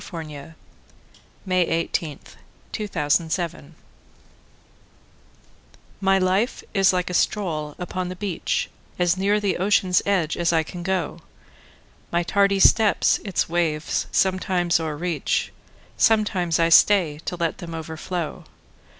By Henry DavidThoreau 301 The Fisher's Boy MY life is like a stroll upon the beach, As near the ocean's edge as I can go; My tardy steps its waves sometimes o'erreach, Sometimes I stay to let them overflow.